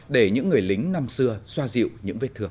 để những người lính năm xưa xoa dịu những vết thương